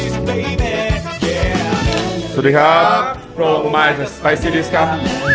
สวัสดีครับโปรโมยสไปซีริสครับ